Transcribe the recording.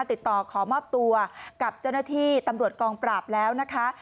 ติดต่อขอมอบตัวกับเจ้าหน้าที่ตำรวจกองปราบแล้วนะคะ